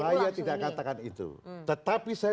saya tidak katakan itu tetapi saya